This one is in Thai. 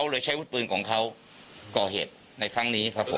อันนั้นเป็นคำกลับอ้าง